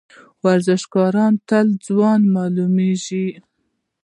ورزشکاران تل ځوان معلومیږي.